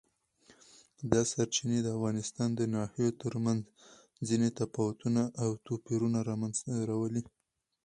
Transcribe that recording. دا سرچینې د افغانستان د ناحیو ترمنځ ځینې تفاوتونه او توپیرونه راولي.